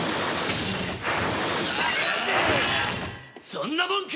そんなもんか？